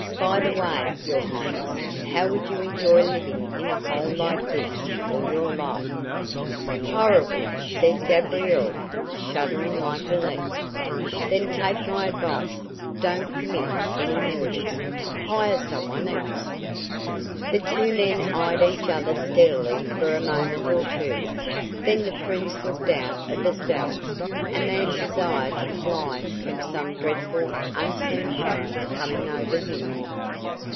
"By the way, your Highness, how would you enjoy living in a hole like this all your life?" "Horrible!" said Gabriel, shuddering like a leaf. "Then take my advice: don't commit any murders. Hire some one else." The two men eyed each other steadily for a moment or two. Then the Prince looked out of the cell, a mad desire to fly from some dreadful, unseen horror coming over him.